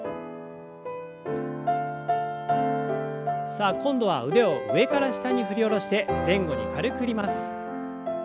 さあ今度は腕を上から下に振り下ろして前後に軽く振ります。